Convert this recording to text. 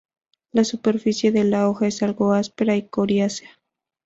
La superficie de la hoja es algo áspera y coriácea.